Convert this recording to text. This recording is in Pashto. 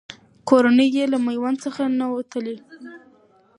کورنۍ یې له میوند څخه نه وه تللې.